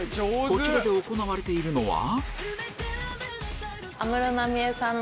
こちらで行われているのは？